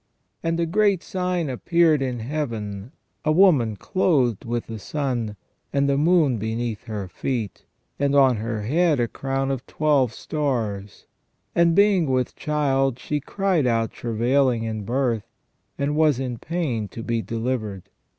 "And a great sign appeared in Heaven, a woman clothed with the sun, and the moon beneath her feet, and on her head a crown of twelve stars : and being with child, she cried out travail ing in birth, and was in pain to be delivered.